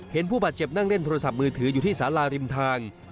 ผู้บาดเจ็บนั่งเล่นโทรศัพท์มือถืออยู่ที่สาราริมทาง